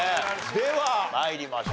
では参りましょう。